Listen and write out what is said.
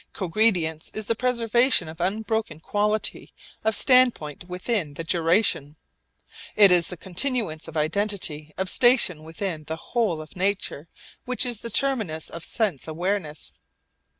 Cogredience is the preservation of unbroken quality of standpoint within the duration. It is the continuance of identity of station within the whole of nature which is the terminus of sense awareness.